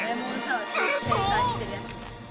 すると。